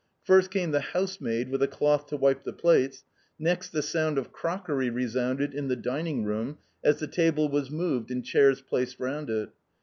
First came the housemaid with a cloth to wipe the plates. Next, the sound of crockery resounded in the dining room, as the table was moved and chairs placed round it.